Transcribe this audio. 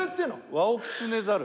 ワオキツネザル。